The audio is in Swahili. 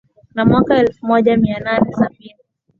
na mwaka elfu moja mia nane sabini